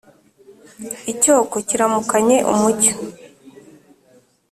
Icyoko kiramukanye umucyo